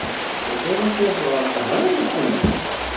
Tebɣiḍ ad truḥeḍ ɣer Tahran neɣ ala?